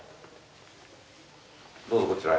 どうぞこちらへ。